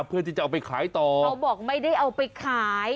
เพื่อที่จะเอาไปขายต่อเขาบอกไม่ได้เอาไปขาย